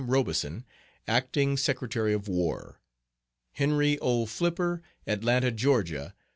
ROBESON, Acting Secretary of War. HENRY O. FLIPPER, Atlanta, Georgia.